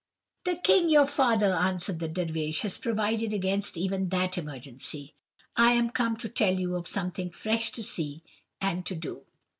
"'The king, your father,' answered the Dervish, 'has provided against even that emergency; I am come to tell you of something fresh to see and to do.